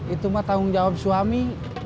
itu mah tanggung jawab suami